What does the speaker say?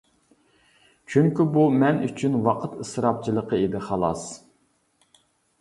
چۈنكى بۇ مەن ئۈچۈن ۋاقىت ئىسراپچىلىقى ئىدى، خالاس.